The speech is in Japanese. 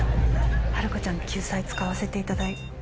はるかちゃんに救済使わせていただいて。